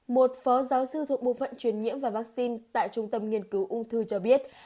một phó giáo sư thuộc bộ phận truyền nhiễm và vaccine tại trung tâm nghiên cứu ung thư cho biết